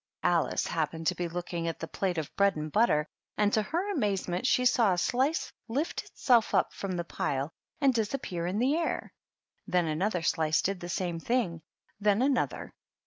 Alice happened to be looking at the plate of bread and butter, and to her amazement she saw a slice lift itself up from the pile and disappear in the air; then another slice did the same thing, and then another.